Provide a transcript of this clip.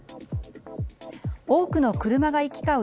多くの車が行き交う